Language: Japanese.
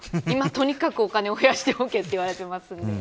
今とにかくお金を増やしておけと言われています。